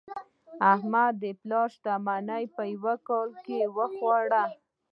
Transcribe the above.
احمد د پلار شتمني په یوه کال کې وخوړه.